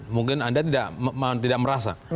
mungkin anda tidak merasa